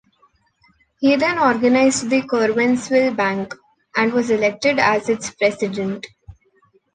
He then organized the Curwensville Bank, and was elected its president.